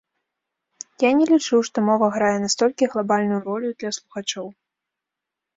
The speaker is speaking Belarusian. Я не лічу, што мова грае настолькі глабальную ролю для слухачоў.